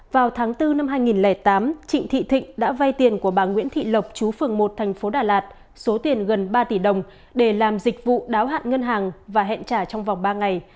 vào tháng bốn năm hai nghìn tám trịnh thị thịnh đã vay tiền của bà nguyễn thị lộc chú phường một thành phố đà lạt số tiền gần ba tỷ đồng để làm dịch vụ đáo hạn ngân hàng và hẹn trả trong vòng ba ngày